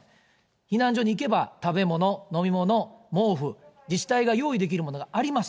避難所に行けば食べ物、飲み物、毛布、自治体が用意できるものがあります。